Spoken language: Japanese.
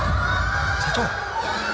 社長